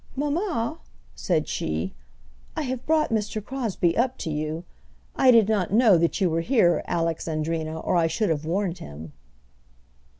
"Mamma," said she; "I have brought Mr. Crosbie up to you. I did not know that you were here, Alexandrina, or I should have warned him."